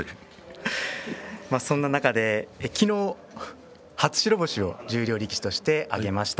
そんな中で、昨日初白星を十両力士として挙げました。